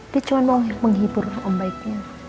dia cuma mau menghibur orang baiknya